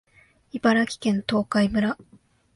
茨城県東海村